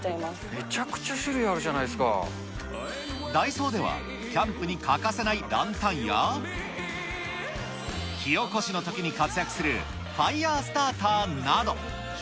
めちゃくちゃ種類あるじゃなダイソーでは、キャンプに欠かせないランタンや、火おこしのときに活躍するファイヤースターターなど。